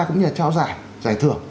cũng như là trao giải giải thưởng